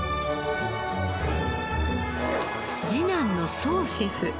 次男の創シェフ。